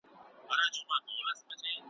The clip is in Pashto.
شنه به له خندا سي وايي بله ورځ `